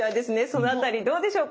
そのあたりどうでしょうか？